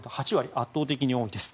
圧倒的に多いです。